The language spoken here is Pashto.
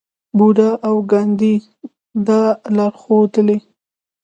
بودا او ګاندي دا لار ښودلې.